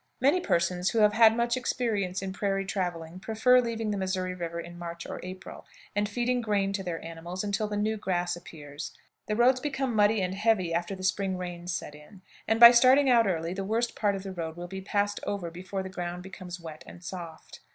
Many persons who have had much experience in prairie traveling prefer leaving the Missouri River in March or April, and feeding grain to their animals until the new grass appears. The roads become muddy and heavy after the spring rains set in, and by starting out early the worst part of the road will be passed over before the ground becomes wet and soft.